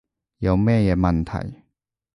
有乜嘢問題